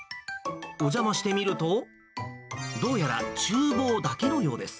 お邪魔してみると、どうやら、ちゅう房だけのようです。